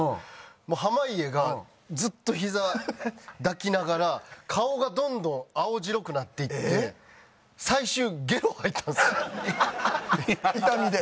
もう濱家がずっとひざ抱きながら顔がどんどん青白くなっていって最終痛みで。